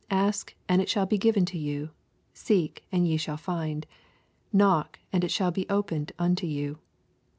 Ask, and it shall be given you ; seek, and ye shall i find ; knock and it shall be Opened unto you.